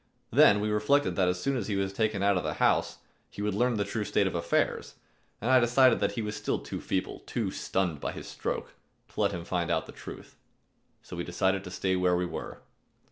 Then we reflected that as soon as he was taken out of the house, he would learn the true state of affairs, and I decided that he was still too feeble, too stunned by his stroke, to let him find out the truth. So we decided to stay where we were.